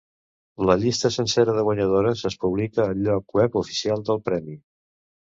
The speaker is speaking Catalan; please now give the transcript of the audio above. La llista sencera de guanyadores es publica al lloc web oficial del Premi.